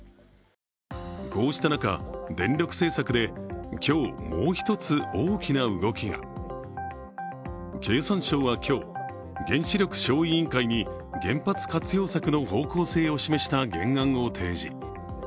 こうした中、電力政策で今日もう一つ大きな動きが経産省は今日原子力小委員会に原発活用策の方向性を示した原案を提示。